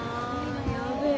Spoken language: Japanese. やべえ。